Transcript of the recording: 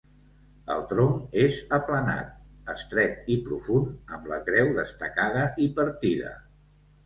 El tronc és aplanat, estret i profund, amb la creu destacada i partida.